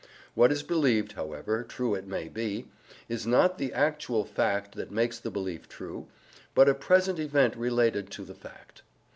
What is believed, however true it may be, is not the actual fact that makes the belief true, but a present event related to the fact.